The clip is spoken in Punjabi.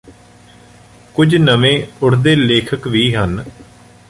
ਕੁਝ ਨਵੇਂ ਉਠਦੇ ਲੇਖਕ ਵੀ ਹਨ